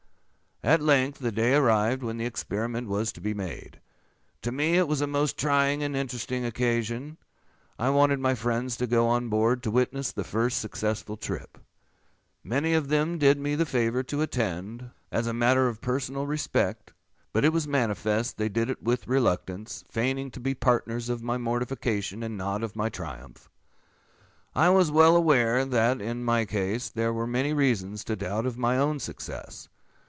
"At length the day arrived when the experiment was to be made. To me it was a most trying and interesting occasion. I wanted many friends to go on board to witness the first successful trip. Many of them did me the favour to attend, as a matter of personal respect; but it was manifest they did it with reluctance, feigning to be partners of my mortification, and not of my triumph. I was well aware that, in my case, there were many reasons to doubt of my own success.